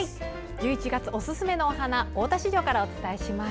１１月おすすめのお花大田市場からお伝えします。